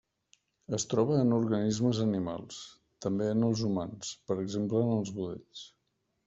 Es troba en els organismes animals, també en els humans, per exemple en els budells.